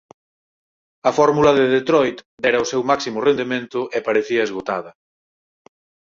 A fórmula de Detroit dera o seu máximo rendemento e parecía esgotada.